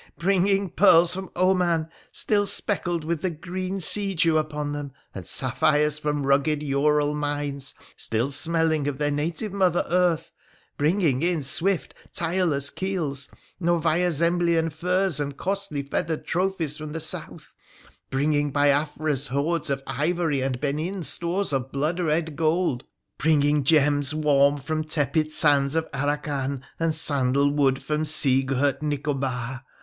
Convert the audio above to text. — Bringing pearls from Oman still speckled with the green sea dew upon them, and sapphires from rugged Ural mines still smelling of their fresh native mother earth ; bringing, in swift, tireless keels, Novaia Zemblian furs and costly feathered 302 WONDERFUL ADVENTURES OF trophies from the South ; bringing Biafra's hoards of ivory and Benin's stores of blood red gold ; bringing gems warm from tepid sands of Arracan, and sandal wood from seagirt Nicobar.